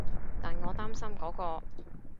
但我擔心嗰個